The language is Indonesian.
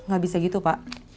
gak bisa gitu pak